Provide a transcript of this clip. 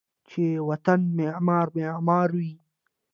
چې و طن معمار ، معمار وی